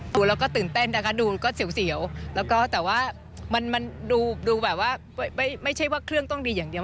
ดูแล้วก็ตื่นเต้นนะคะดูก็เสียวแล้วก็แต่ว่ามันดูแบบว่าไม่ใช่ว่าเครื่องต้องดีอย่างเดียว